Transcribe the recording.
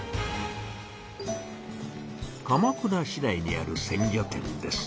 鎌倉市内にある鮮魚店です。